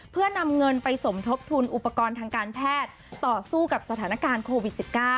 เพื่อนำเงินไปสมทบทุนอุปกรณ์ทางการแพทย์ต่อสู้กับสถานการณ์โควิด๑๙